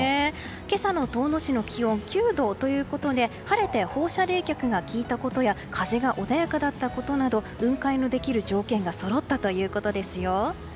今朝の遠野市の気温９度ということで晴れて放射冷却がきいたことや風が穏やかだったことなど雲海のできる条件がそろったということですよ。